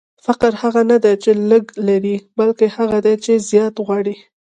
فقیر هغه نه دئ، چي لږ لري؛ بلکي هغه دئ، چي زیات غواړي.